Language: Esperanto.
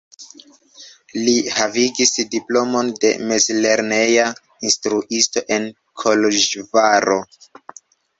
Li havigis diplomon de mezlerneja instruisto en Koloĵvaro.